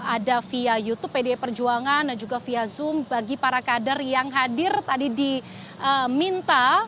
ada via youtube pdi perjuangan dan juga via zoom bagi para kader yang hadir tadi diminta